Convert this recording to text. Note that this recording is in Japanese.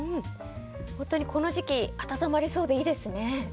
本当に、この時期温まりそうでいいですね。